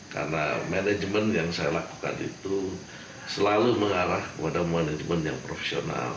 karena manajemen yang saya lakukan itu selalu mengarah kepada manajemen yang profesional